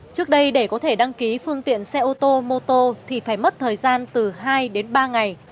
trước đây để có thể đăng ký phương tiện xe ô tô mô tô thì phải mất thời gian từ hai đến ba ngày